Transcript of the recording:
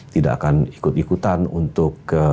tidak akan ikut ikutan untuk